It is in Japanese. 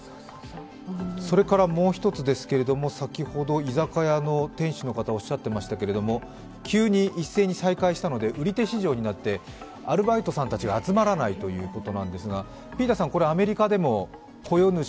それからもう一つ、先ほど、居酒屋の店主の方おっしゃってましたけど、急に一斉に再開したので、売り手市場になってアルバイトさんたちが集まらないということなんですがアメリカでも雇用主、